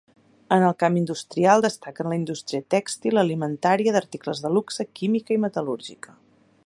En el camp industrial, destaquen la indústria tèxtil, alimentària, d'articles de luxe, química i metal·lúrgica.